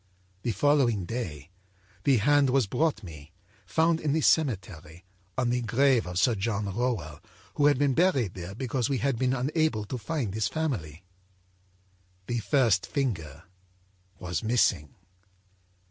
âThe following day the hand was brought me, found in the cemetery, on the grave of Sir John Rowell, who had been buried there because we had been unable to find his family. The first finger was missing.